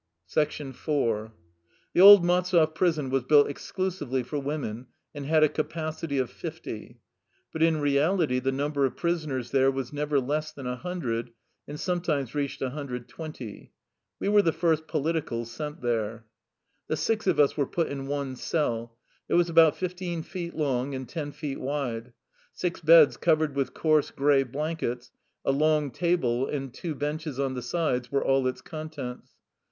... ІУ The old Maltzev prison was built exclusively for women, and had a capacity of fifty. But in reality the number of prisoners there was never less than 100, and sometimes reached 120. We were the first politicals sent there. The six of us were put in one cell. It was about fifteen feet long and ten feet wide. Six beds covered with coarse, gray blankets, a long table, and two benches on the sides were all its contents.